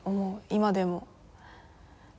今でも。